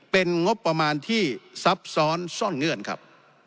เป็นงบประมาณที่ซับซ้อนซ่อนเงื่อนครับ